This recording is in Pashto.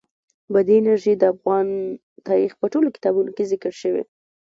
بادي انرژي د افغان تاریخ په ټولو کتابونو کې ذکر شوې.